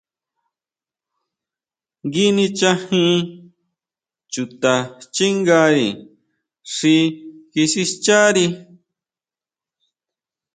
Ngui nichajin chutaxchingári xi kisixchari.